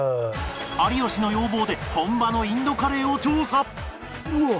有吉の要望で本場のインドカレーを調査